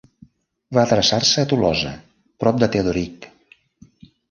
Va adreçar-se a Tolosa, prop de Teodoric.